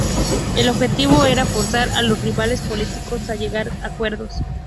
El objetivo era forzar a los rivales políticos a llegar a acuerdos.